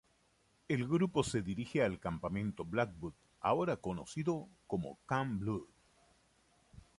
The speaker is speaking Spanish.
El grupo se dirige al campamento Blackwood, ahora conocido como 'Camp Blood'.